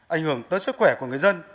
ảnh hưởng tới sức khỏe của người dân